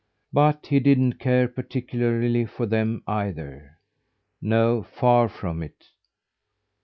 But he didn't care particularly for them either. No, far from it!